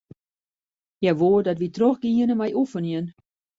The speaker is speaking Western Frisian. Hja woe dat wy trochgiene mei oefenjen.